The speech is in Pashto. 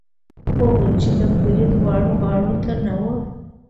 هغوی چې د پولې دواړو غاړو ته نه وو.